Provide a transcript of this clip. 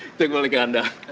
itu kembali ke anda